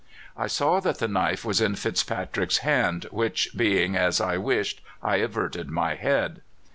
"I saw that the knife was in FitzPatrick's hand, which being as I wished, I averted my head.